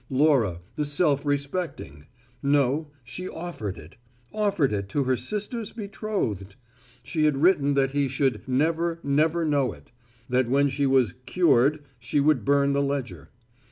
Laura, the self respecting! No; she offered it offered it to her sister's betrothed. She had written that he should "never, never know it"; that when she was "cured" she would burn the ledger.